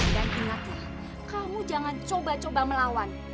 dan ingatlah kamu jangan coba coba melawan